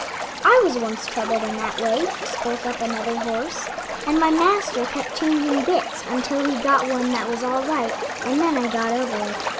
"I was once troubled that way," spoke up another horse, "and my master kept changing bits until he got one that was all right and then I got over it."